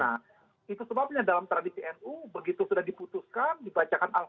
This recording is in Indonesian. nah itu sebabnya dalam tradisi nu begitu sudah diputuskan dibacakan al qur